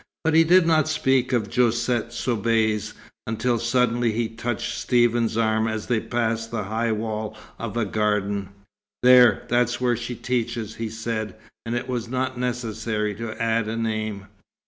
But he did not speak of Josette Soubise, until suddenly he touched Stephen's arm as they passed the high wall of a garden. "There, that's where she teaches," he said; and it was not necessary to add a name.